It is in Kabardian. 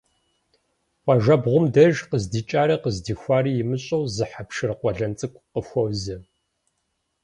Къуажэбгъум деж, къыздикӏари къыздихуари имыщӏэу зы хьэпшыр къуэлэн цӏыкӏу къыхуозэ.